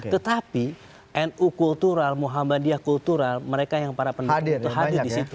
tetapi nu kultural muhammadiyah kultural mereka yang para pendukung itu hadir di situ